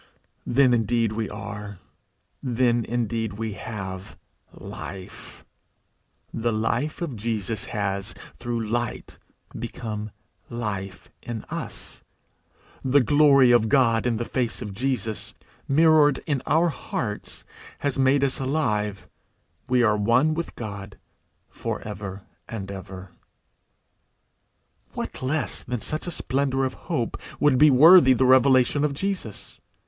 Then indeed we are; then indeed we have life; the life of Jesus has, through light, become life in us; the glory of God in the face of Jesus, mirrored in our hearts, has made us alive; we are one with God for ever and ever. What less than such a splendour of hope would be worthy the revelation of Jesus?